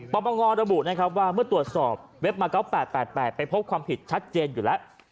ปมระบุว่าเมื่อตรวจสอบเว็บมาเกาะ๘๘๘ไปพบความผิดชัดเจนอยู่แล้ว